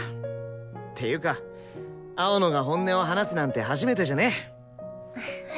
っていうか青野が本音を話すなんて初めてじゃね？